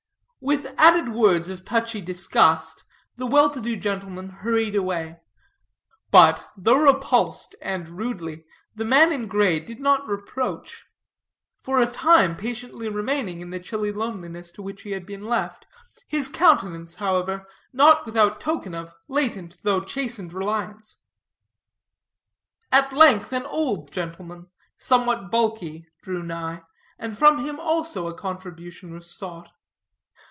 With added words of touchy disgust, the well to do gentleman hurried away. But, though repulsed, and rudely, the man in gray did not reproach, for a time patiently remaining in the chilly loneliness to which he had been left, his countenance, however, not without token of latent though chastened reliance. At length an old gentleman, somewhat bulky, drew nigh, and from him also a contribution was sought.